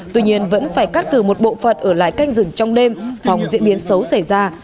tuy nhiên vẫn phải cắt cử một bộ phận ở lại canh rừng trong đêm phòng diễn biến xấu xảy ra